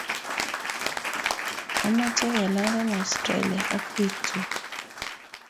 Amache kelande Australia ak bik chuk